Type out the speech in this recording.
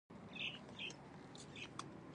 لیکه وځلېده.